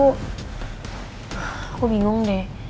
aku bingung deh